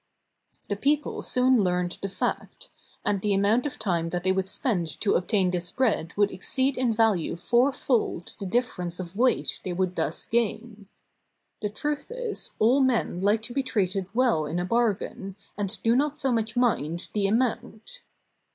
The people soon learned the fact; and the amount of time that they would spend to obtain this bread would exceed in value fourfold the difference of weight they would thus gain. The truth is, all men like to be treated well in a bargain, and do not so much mind the amount.